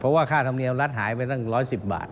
เพราะว่าค่าธรรมเนียมรัฐหายไปตั้ง๑๑๐บาท